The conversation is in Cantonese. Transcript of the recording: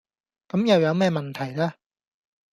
咁又有咩問題呢